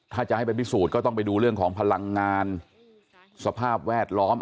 ถ้าจะให้ไปพิสูจน์ก็ต้องไปดูเรื่องของพลังงานสภาพแวดล้อม